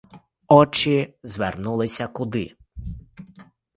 Очі звернулися — куди?